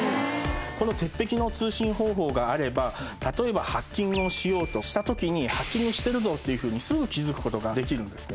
この鉄壁の通信方法があれば例えばハッキングをしようとした時にハッキングしてるぞっていうふうにすぐ気付くことができるんですね。